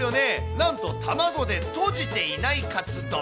なんと卵でとじていないカツ丼。